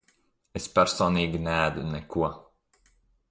Es personīgi neēdu neko.